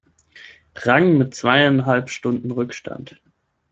Rang mit zweieinhalb Stunden Rückstand.